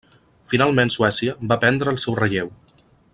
Finalment Suècia va prendre el seu relleu.